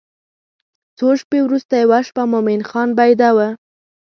څو شپې وروسته یوه شپه مومن خان بیده و.